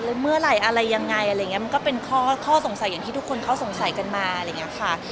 เมื่อไหร่อะไรยังไงอะไรอย่างนี้มันก็เป็นข้อสงสัยอย่างที่ทุกคนเขาสงสัยกันมาอะไรอย่างนี้ค่ะ